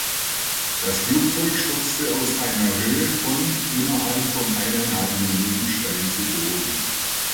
Das Flugzeug stürzte aus einer Höhe von innerhalb von eineinhalb Minuten steil zu Boden.